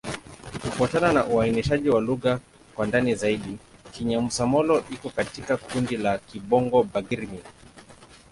Kufuatana na uainishaji wa lugha kwa ndani zaidi, Kinyamusa-Molo iko katika kundi la Kibongo-Bagirmi.